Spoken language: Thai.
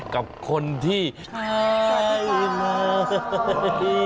กับคนที่ใช่เลย